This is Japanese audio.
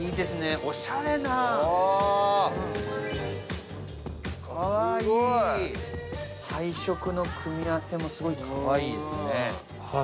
すごい。配色の組み合わせもすごいかわいいですね。